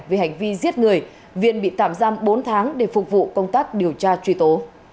về hành vi giết người viện bị tạm giam bốn tháng để phục vụ công tác điều tra truy tố